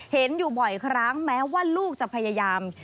เห็นอยู่บ่อยครั้งแม้ว่าลูกจะพยายาม